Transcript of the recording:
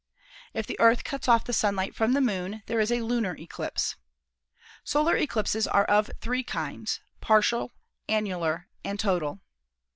If the Earth cuts off the sunlight from the Moon there is a lunar eclipse. Solar eclipses are of three kinds, partial, annular and total.